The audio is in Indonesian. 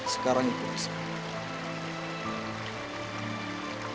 sekarang itu suhaim